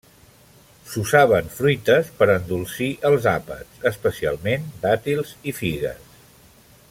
S'usaven fruites per endolcir els àpats, especialment dàtils i figues.